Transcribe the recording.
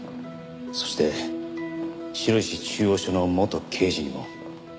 そして白石中央署の元刑事にも。